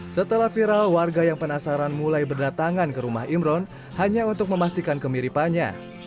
setelah viral warga yang penasaran mulai berdatangan ke rumah imron hanya untuk memastikan kemiripannya